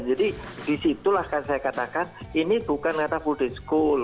jadi disitulah saya katakan ini bukan kata full day school